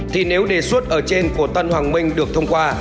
thì nếu đề xuất ở trên của tân hoàng minh được thông qua